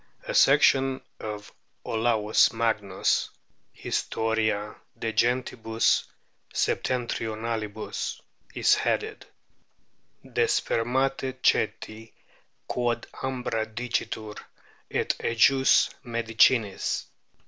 A section of Olaus Magnus' Historia, de Gentibus Septentrionalibus is headed, " De Spermate Ceti, quod Ambra dicitur, et ejus medicinis."